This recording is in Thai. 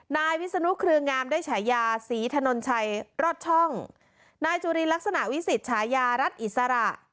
นายวิศนุเครืองามได้ฉายาศรีถนนชัยรอดช่องนายจุลินลักษณะวิสิตฉายารัฐอิสระ